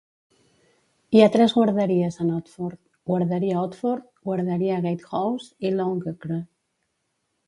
Hi ha tres guarderies en Otford: Guarderia Otford, Guarderia Gatehouse i Longacre.